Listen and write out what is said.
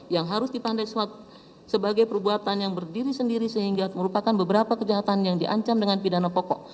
yang harus dipandai sebagai perbuatan yang berdiri sendiri sehingga merupakan beberapa kejahatan yang diancam dengan pidana pokok